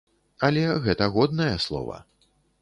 Але гэта годнае слова.